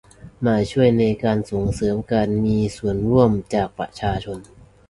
มาช่วยในการส่งเสริมการมีส่วนร่วมจากประชาชน